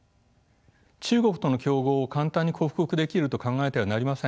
中国との競合を簡単に克服できると考えてはなりません。